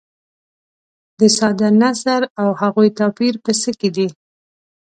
د ساده نثر او هغوي توپیر په څه کې دي.